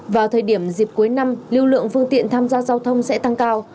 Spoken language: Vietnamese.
vào thời điểm dịp cuối năm lưu lượng phương tiện tham gia giao thông sẽ tăng cao